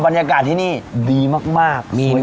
บรรยากาศที่นี่ดีมาก